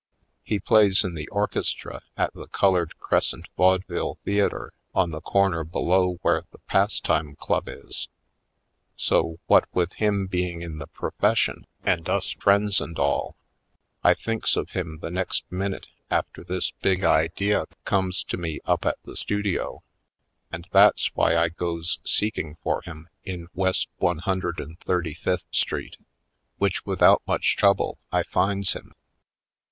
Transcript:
He plays in the orchestra at the Colored Crescent Vaudeville Theatre on the corner below where the Pastime Club is, so, what with him being in the profession and us friends and all, I thinks of him the next minute after this big idea comes to me up at the studio and that's why I goes seeking for him in West One Hundred and Thirty fifth Street; which without much trouble I finds Afric Shores 161 him.